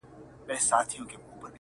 پوهېږې په جنت کي به همداسي ليونی یم!